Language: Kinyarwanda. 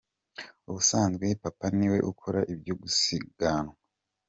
Ubusanzwe papa niwe ukora ibyo gusiganwa.